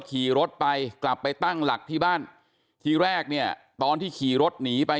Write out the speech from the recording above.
ขี่รถไปกลับไปตั้งหลักที่บ้านทีแรกเนี่ยตอนที่ขี่รถหนีไป